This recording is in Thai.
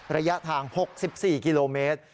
ระยะทาง๖๔กิโลเมตร